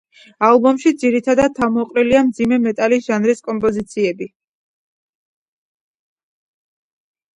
ალბომში ძირითადად თავმოყრილია მძიმე მეტალის ჟანრის კომპოზიციები.